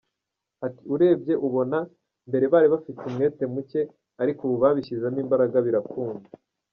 Ati “Urebye ubona ko mbere bari bafite umwete muke ariko ubu babishyizemo imbaraga birakunda.